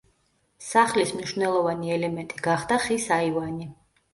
სახლის მნიშვნელოვანი ელემენტი გახდა ხის აივანი.